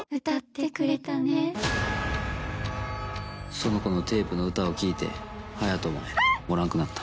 その子のテープの歌を聴いて、おらんくなった。